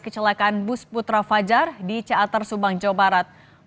ketiga jenazah merupakan pelajar smk lingga depok yang menjadi korban tewas insiden kecil